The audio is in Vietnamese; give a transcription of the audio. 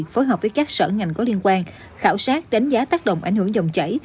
phối hợp với các sở ngành có liên quan khảo sát đánh giá tác động ảnh hưởng dòng chảy